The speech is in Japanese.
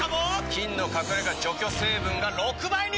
菌の隠れ家除去成分が６倍に！